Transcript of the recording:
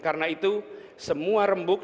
karena itu semua rembuk